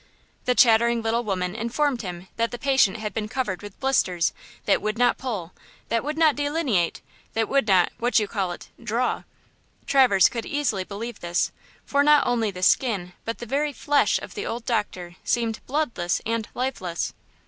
The chattering little woman informed him that the patient had been covered with blisters that would not "pull," that would not "delineate," that would not, what call you it– "draw!" Traverse could easily believe this, for not only the skin, but the very flesh of the old doctor seemed bloodless and lifeless.